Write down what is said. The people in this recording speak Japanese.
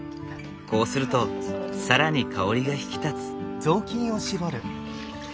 こうすると更に香りが引き立つ。